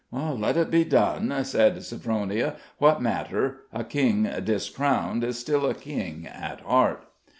"Let it be done," said Sophronia. "What matter? A king discrowned is still a king at heart."